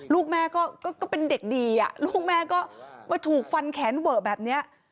ลูกแม่ก็เป็นเด็กดีลูกแม่ก็มาถูกฟันแขนเวอะแบบนี้